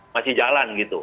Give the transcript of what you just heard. masih jalan gitu